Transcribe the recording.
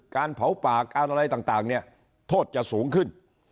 การเผาปากการอะไรต่างเนี่ยโทษจะสูงขึ้น